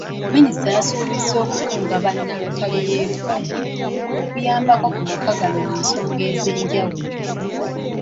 Minisita yasuubizza okukunga bannalotale b'e Lukaya, okuyambako ku maka gano musonga ez'ejawulo.